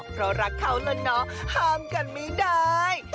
เพราะรักเขาละเนาะห้ามกันไม่ได้